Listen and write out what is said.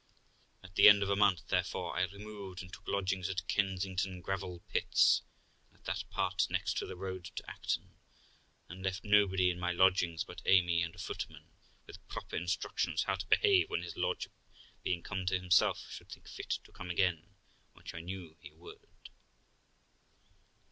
At the end of a month, therefore, I removed, and took lodgings at Kensington Gravel Pits, at that part next to the road to Acton, and left nobody in my lodgings but Amy and a footman, with proper instructions how to behave when his lordship, being come to himself, should think fit to come again, which I knew he would.